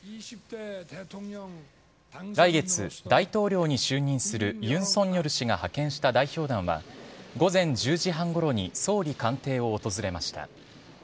来月、大統領に就任するユン・ソンニョル氏が派遣した代表団は、午前１０時半ごろに総理官邸を訪れました。